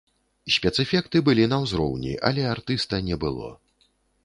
Спецэфекты былі на ўзроўні, але артыста не было.